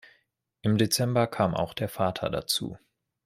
Im Dezember kam auch der Vater dazu.